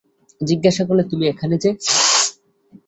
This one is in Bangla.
জিজ্ঞাসা করলে, তুমি এখানে যে!